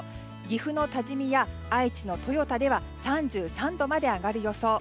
岐阜の多治見や愛知の豊田では３３度まで上がる予想。